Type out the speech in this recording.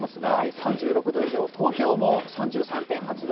３６度以上、東京も３３．８度。